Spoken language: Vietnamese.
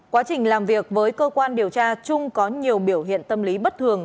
quá trình làm việc với cơ quan điều tra trung có nhiều biểu hiện tâm lý bất thường